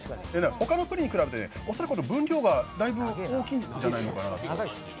他のプリンに比べて、恐らく分量がだいぶ多いんじゃないかなと。